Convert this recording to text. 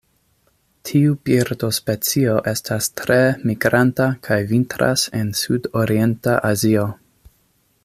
Tiu birdospecio estas tre migranta kaj vintras en sudorienta Azio.